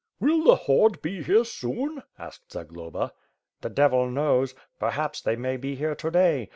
"Will the horde be here soon?" asked Zagloba. "The Devil knows. Perhaps they may be here to day.